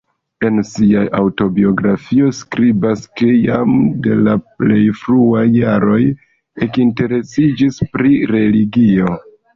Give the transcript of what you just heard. En sia aŭtobiografio skribas, ke jam de la plej fruaj jaroj ekinteresiĝis pri religio.